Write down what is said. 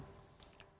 ya terima kasih